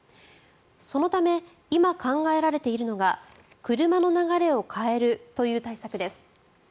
そのため、今考えられているのが車の流れを変えるという点です。